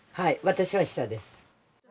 私は下です。